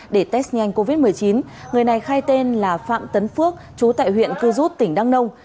để test nhanh covid một mươi chín người này khai tên là phạm tấn phước chú tại huyện cư rút tỉnh đăng nông